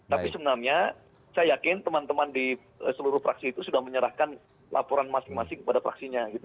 tapi sebenarnya saya yakin teman teman di seluruh fraksi itu sudah menyerahkan laporan masing masing kepada fraksinya gitu